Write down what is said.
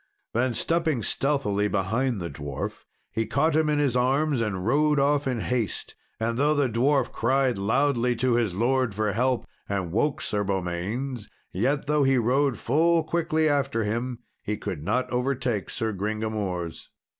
Then stepping stealthily behind the dwarf he caught him in his arms and rode off in haste. And though the dwarf cried loudly to his lord for help, and woke Sir Beaumains, yet, though he rode full quickly after him, he could not overtake Sir Gringamors.